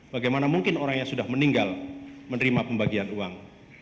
bagaimana mungkin orang yang sudah meninggal menerima pembagian uang